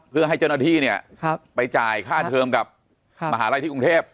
เพื่อให้เจ้าหน้าที่เนี่ยไปจ่ายค่าเทิมกับมหาลัยที่กรุงเทพ